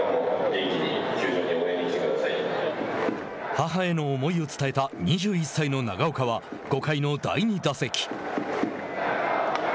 母への思いを伝えた２１歳の長岡は５回の第２打席。